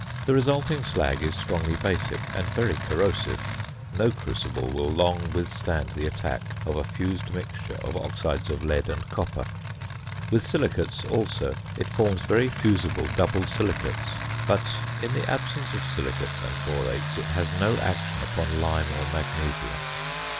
The resulting slag is strongly basic and very corrosive; no crucible will long withstand the attack of a fused mixture of oxides of lead and copper. With silicates, also, it forms very fusible double silicates; but in the absence of silicates and borates it has no action upon lime or magnesia.